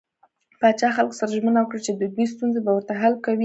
پاچا خلکو سره ژمنه وکړه چې د دوي ستونزې به ورته حل کوي .